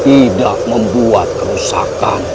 tidak membuat kerusakan